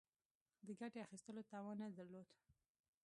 د ګټې اخیستلو توان نه درلود.